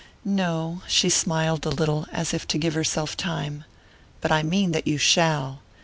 "No." She smiled a little, as if to give herself time. "But I mean that you shall.